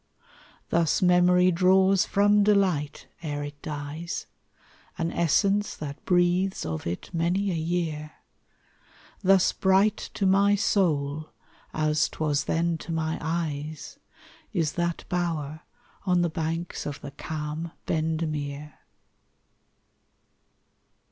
Thus memory draws from delight, ere it dies, An essence that breathes of it many a year; Thus bright to my soul, as 'twas then to my eyes, Is that bower on the banks of the calm Bendemeer!